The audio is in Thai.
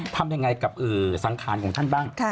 ทำยังไงกับสังขารของท่านบ้าง